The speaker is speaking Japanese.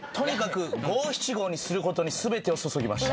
五七五にすることに全てを注ぎました。